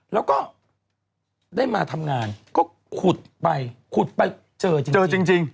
แล้วก็ได้มาทำงานก็ขุดไปเจอจริง